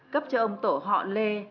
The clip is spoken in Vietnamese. cấp cho ông tổ họ lê